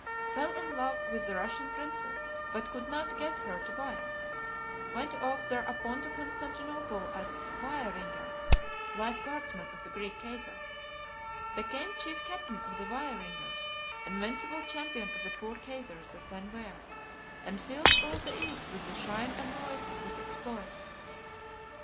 Fell in love with the Russian Princess, but could not get her to wife; went off thereupon to Constantinople as Vaeringer (Life Guardsman of the Greek Kaiser); became Chief Captain of the Vaeringers, invincible champion of the poor Kaisers that then were, and filled all the East with the shine and noise of his exploits.